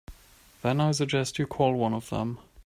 Then I suggest you call one of them.